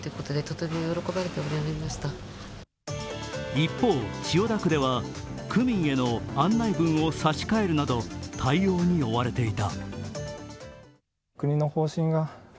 一方、千代田区では区民への案内文を差し替えるなど対応に追われていた。